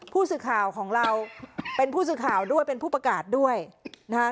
ผู้สื่อข่าวของเราเป็นผู้สื่อข่าวด้วยเป็นผู้ประกาศด้วยนะฮะ